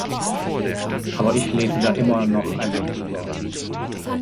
Aber ich lese da immer noch einmal drüber.